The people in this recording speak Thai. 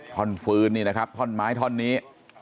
ท่อนฟื้นนี่นะครับท่อนไม้ท่อนนี้